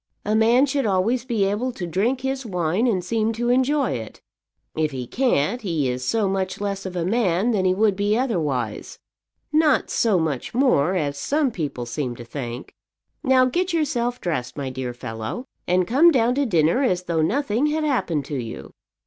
A man should always be able to drink his wine and seem to enjoy it. If he can't, he is so much less of a man than he would be otherwise, not so much more, as some people seem to think. Now get yourself dressed, my dear fellow, and come down to dinner as though nothing had happened to you."